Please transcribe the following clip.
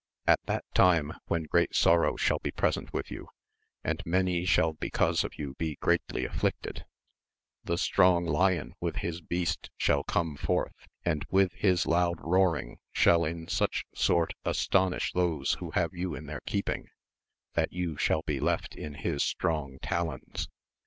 At that time, when great sorrow shall be present with you, and many shall because of you be greatly afflicted, the strong lion with his beast shaU come forth, and with his loud roaring shall in such sort astonish those who have you in their keep ing, that you shall be left in his strong talons.